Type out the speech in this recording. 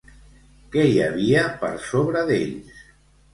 Què hi havia per sobre d'ells?